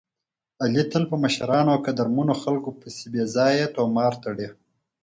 علي تل په مشرانو او قدرمنو خلکو پسې بې ځایه طومار تړي.